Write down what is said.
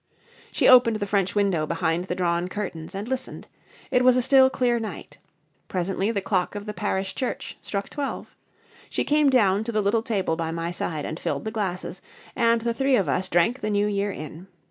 She opened the French window behind the drawn curtains and listened. It was a still clear night. Presently the clock of the Parish Church struck twelve. She came down to the little table by my side and filled the glasses, and the three of us drank the New Year in.